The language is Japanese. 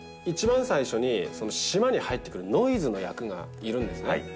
一番最初に島に入ってくるノイズの役がいるんですね。